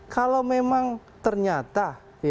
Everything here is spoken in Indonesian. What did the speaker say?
kalau memang ternyata